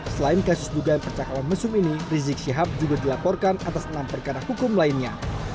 selain kasus dugaan percakapan mesum ini rizik syihab juga dilaporkan atas enam perkara hukum lainnya